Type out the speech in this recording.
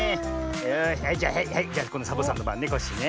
よしはいじゃあはいはいこんどサボさんのばんねコッシーね。